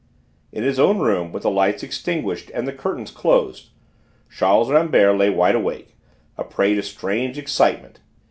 In his own room, with the lights extinguished and the curtains closed, Charles Rambert lay wide awake, a prey to strange excitement.